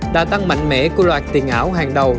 đã tăng mạnh mẽ của loạt tiền ảo hàng đầu